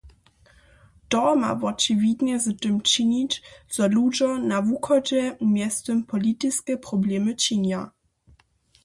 To ma wočiwidnje z tym činić, zo ludźo na wuchodźe mjeztym politiske problemy činja.